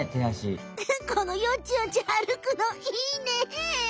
このよちよちあるくのいいね！